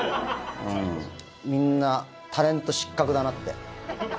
みんな、タレント失格だなって。